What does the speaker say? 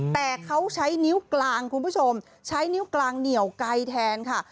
แต่เขาใช้นิ้วกลางคุณผู้ชมใช้นิ้วกลางเหนียวไกลแทนค่ะ